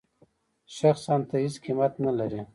شخصاً ته هېڅ قېمت نه لرې.